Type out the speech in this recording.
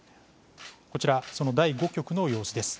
こちら、その第５局の様子です。